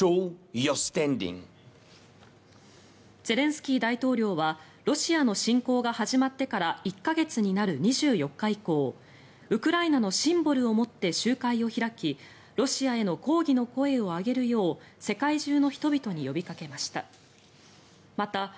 ゼレンスキー大統領はロシアの侵攻が始まってから１か月になる２４日以降ウクライナのシンボルを持って集会を開きロシアへの抗議の声を上げるよう世界中の人々に呼びかけました。